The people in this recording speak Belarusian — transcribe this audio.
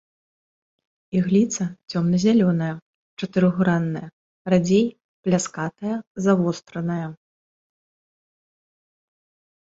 Ігліца цёмна-зялёная, чатырохгранная, радзей, пляскатая, завостраная.